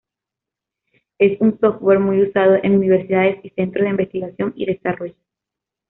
Es un software muy usado en universidades y centros de investigación y desarrollo.